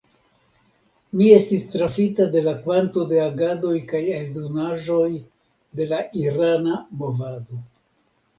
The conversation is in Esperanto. Mi estis trafita de la kvanto de agadoj kaj eldonaĵoj de la irana movado.